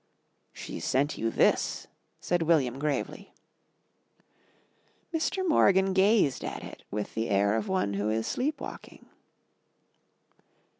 "She sent you this," said William gravely. Mr. Morgan gazed at it with the air of one who is sleep walking.